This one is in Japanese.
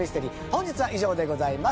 本日は以上でございます。